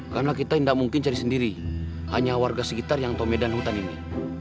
karena kita tidak mungkin cari sendiri hanya warga sekitar yang tahu medan hutan ini